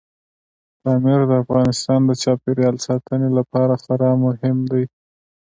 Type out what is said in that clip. پامیر د افغانستان د چاپیریال ساتنې لپاره خورا مهم دی.